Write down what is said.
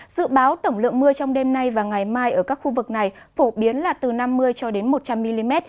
dự báo tổng lượng mưa trong đêm nay và ngày mai ở các khu vực này phổ biến là từ năm mươi cho đến một trăm linh mm